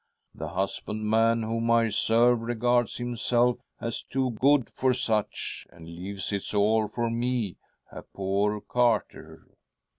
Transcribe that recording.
' The husbandman whom I serve regards Himself as too good for such, and leaves it all for me, a poor carter."